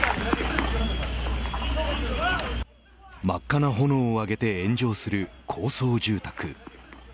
真っ赤な炎を上げて炎上する高層住宅。